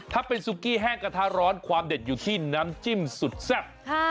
ถ้าเป็นซุกี้แห้งกระทะร้อนความเด็ดอยู่ที่น้ำจิ้มสุดแซ่บ